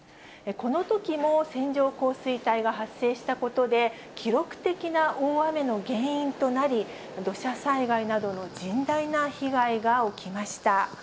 このときも線状降水帯が発生したことで、記録的な大雨の原因となり、土砂災害などの甚大な被害が起きました。